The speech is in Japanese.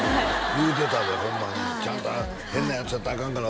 言うてたでホンマに「変なヤツだったらアカンから」